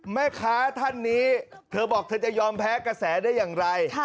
แม่ค้าท่านนี้เธอบอกเธอจะยอมแพ้กระแสได้อย่างไร